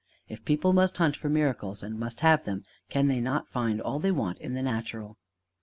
If people must hunt for miracles and must have them, can they not find all they want in the natural?